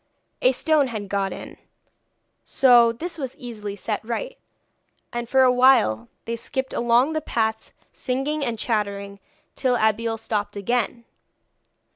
A stone had got in, so this was easily set right, and for a while they skipped along the path singing and chattering, till Abeille stopped again.